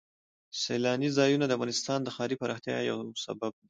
سیلاني ځایونه د افغانستان د ښاري پراختیا یو سبب دی.